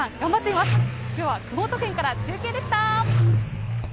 きょうは熊本県から中継でした。